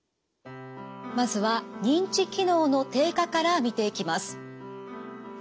まずは認知機能の低下から見ていきます。